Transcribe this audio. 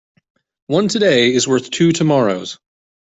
One today is worth two tomorrows.